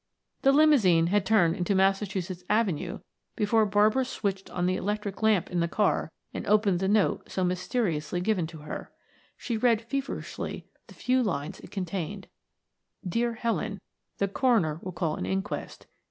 The limousine had turned into Massachusetts Avenue before Barbara switched on the electric lamp in the car and opened the note so mysteriously given to her. She read feverishly the few lines it contained, Dear Helen: The coroner will call an inquest.